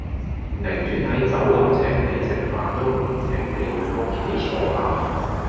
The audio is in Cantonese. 寧願喺酒樓請你食飯都唔請你去屋企坐吓